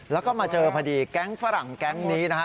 แล้วก็มาเจอพอดีแก๊งฝรั่งแก๊งนี้นะฮะ